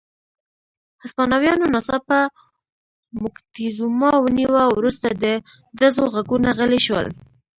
هسپانویانو ناڅاپه موکتیزوما ونیوه، وروسته د ډزو غږونه غلي شول.